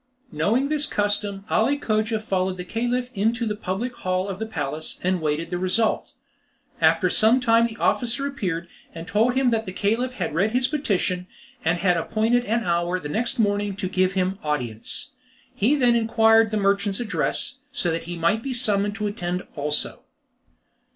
Knowing this custom, Ali Cogia followed the Caliph into the public hall of the palace, and waited the result. After some time the officer appeared, and told him that the Caliph had read his petition, and had appointed an hour the next morning to give him audience. He then inquired the merchant's address, so that he might be summoned to attend also.